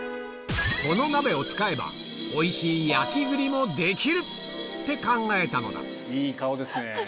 この鍋を使えばおいしい焼き栗もできる！って考えたのだいい顔ですね。